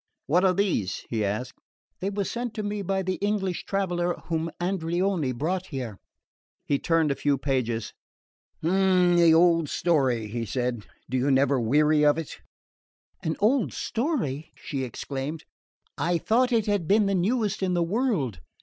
"What are these?" he asked. "They were sent to me by the English traveller whom Andreoni brought here." He turned a few pages. "The old story," he said. "Do you never weary of it?" "An old story?" she exclaimed. "I thought it had been the newest in the world.